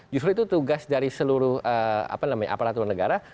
justru itu tugas dari seluruh aparatur negara